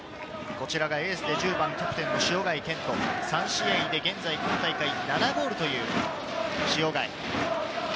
エースで１０番、キャプテンの塩貝健人、３試合で現在、今大会７ゴールという塩貝。